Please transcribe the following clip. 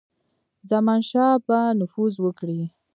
زمانشاه به نفوذ وکړي.